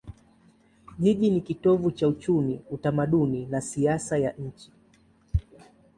Jiji ni kitovu cha uchumi, utamaduni na siasa ya nchi.